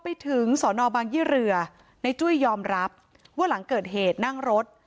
ไปถึงสอนอบางยี่เรือในจุ้ยยอมรับว่าหลังเกิดเหตุนั่งรถ